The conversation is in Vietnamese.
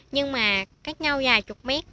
nhưng mà cách nhau dài chục mét